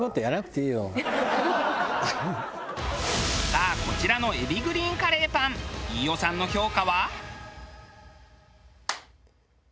さあこちらの海老グリーンカレーパン飯尾さんの評価は？